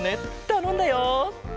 たのんだよ。